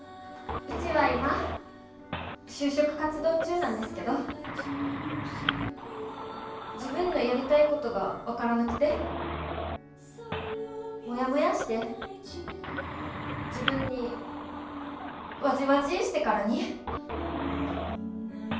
うちは今就職活動中なんですけど自分のやりたいことが分からなくてもやもやーして自分にわじわじーしてからに。